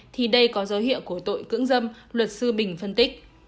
thì đây có dấu hiệu của tội cưỡng dâm luật sư bình phân tích